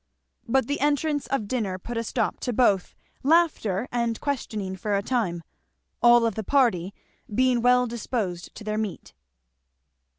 But the entrance of dinner put a stop to both laughter and questioning for a time, all of the party being well disposed to their meat.